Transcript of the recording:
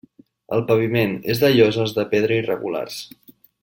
El paviment és de lloses de pedra irregulars.